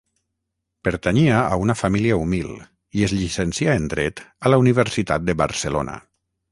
Pertanyia a una família humil i es llicencià en dret a la Universitat de Barcelona.